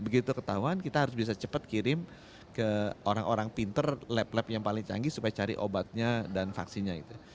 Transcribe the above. begitu ketahuan kita harus bisa cepat kirim ke orang orang pinter lab lab yang paling canggih supaya cari obatnya dan vaksinnya gitu